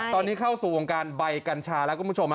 ตอนนี้เข้าสู่วงการใบกัญชาแล้วคุณผู้ชม